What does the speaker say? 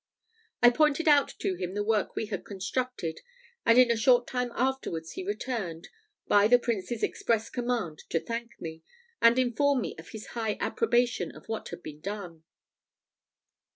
I pointed out to him the work we had constructed; and in a short time afterwards he returned, by the Prince's express command to thank me, and inform me of his high approbation of what had been done.